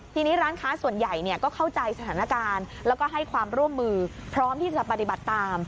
ทีนี้ร้านค้าส่วนใหญ่ก็เข้าใจสถานการณ์แล้วก็ให้ความร่วมมือพร้อมที่จะปฏิบัติตาม